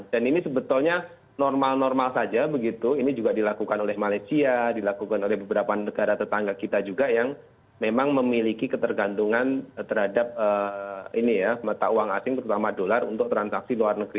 dan ini sebetulnya normal normal saja begitu ini juga dilakukan oleh malaysia dilakukan oleh beberapa negara tetangga kita juga yang memang memiliki ketergantungan terhadap mata uang asing terutama dolar untuk transaksi dolar